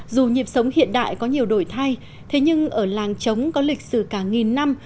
dù nhịp sống hiện đại có nhiều đổi thay thế nhưng ở làng trống có lịch sử cả nghìn năm